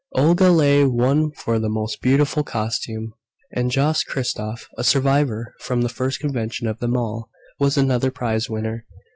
Olga Ley won for the Most Beautiful costume, and Jos Christoff a survivor from the first convention of them all was another prize winner.